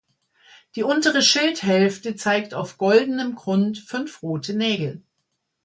Die untere Schildhälfte zeigt auf goldenem Grund fünf rote Nägel.